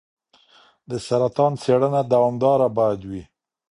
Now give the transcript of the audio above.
د سرطان څېړنه دوامداره باید وي.